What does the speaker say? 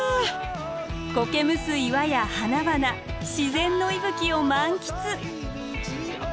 こけむす岩や花々自然の息吹を満喫。